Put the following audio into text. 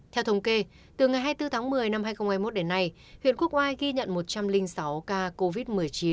theo thống kê từ ngày hai mươi bốn tháng một mươi năm hai nghìn hai mươi một đến nay huyện quốc oai ghi nhận một trăm linh sáu ca covid một mươi chín